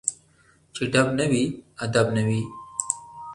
چي ډب نه وي ، ادب نه وي